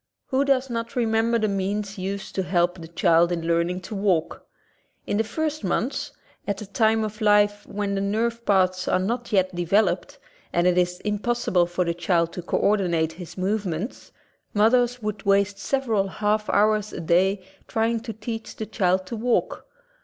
Who does not remember the means used to help the child in learning to walk? In the first months — at a time of life when the nerve paths are not yet developed and it is impossi ble for the child to co ordinate his movements — mothers would waste several half hours a day trying to teach the child to walk.